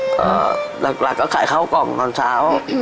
ก็หลักก็ขายข้าวกล่องตอนเช้า